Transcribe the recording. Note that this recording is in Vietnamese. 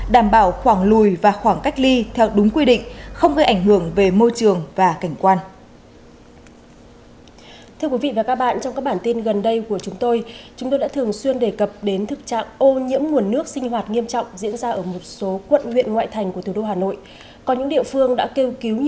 đảm bảo khoảng lùi và khoảng cách ly theo đúng quy định không gây ảnh hưởng về môi trường và cảnh quan